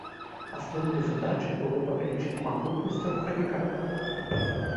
Асноўнай задачай было павялічыць магутнасць рухавіка.